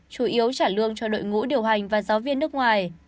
chủ yếu trả lương cho đội ngũ điều hành và giáo viên nước ngoài